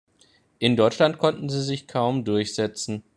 In Deutschland konnten sie sich kaum durchsetzen.